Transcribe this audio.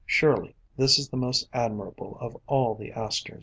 Surely this is the most admirable of all the Asters!